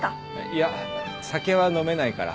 いや酒は飲めないから。